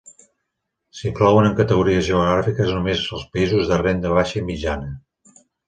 S'inclouen en categories geogràfiques només els països de renda baixa i mitjana.